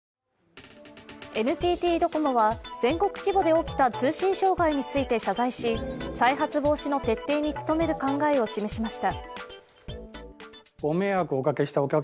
ＮＴＴドコモは全国規模で起きた通信障害について謝罪し再発防止の徹底に努める考えを示しました。